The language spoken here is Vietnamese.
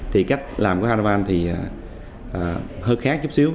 thì cách làm của haravan thì hơi khác chút xíu